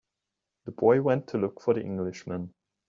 The boy went to look for the Englishman.